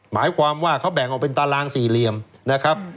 หมายความว่าเขาแบ่งออกเป็นตารางสี่เหลี่ยมนะครับ